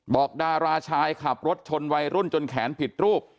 ดาราชายขับรถชนวัยรุ่นจนแขนผิดรูป